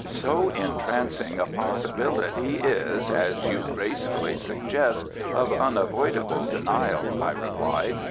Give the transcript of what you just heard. "So entrancing a possibility is, as you gracefully suggest, of unavoidable denial," I replied.